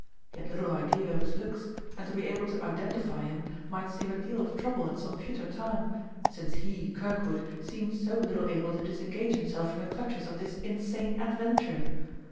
He had little idea of his looks; and to be able to identify him might save a deal of trouble at some future time, since he, Kirkwood, seemed so little able to disengage himself from the clutches of this insane adventure!